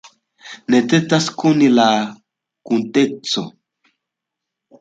Necesas koni la kunteksto.